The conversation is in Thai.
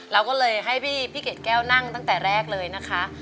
เราก็เลยให้พี่เกดแก้วนั่งตั้งแต่แรกเลยนะคะ